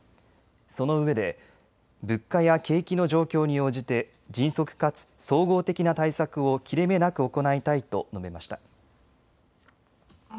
そのうえで物価や景気の状況に応じて迅速かつ総合的な対策を切れ目なく行いたいと述べました。